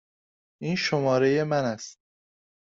این شماره من است.